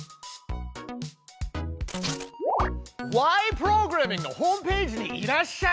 プログラミング」のホームページにいらっしゃい。